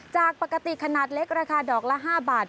จากปกติขนาดเล็กราคาดอกละ๕บาท